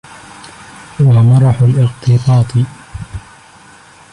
وَمَرَحُ الِاغْتِبَاطِ